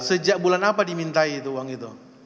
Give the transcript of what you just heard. sejak bulan apa dimintai itu uang itu